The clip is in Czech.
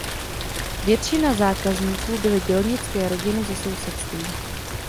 Většina zákazníků byly dělnické rodiny ze sousedství.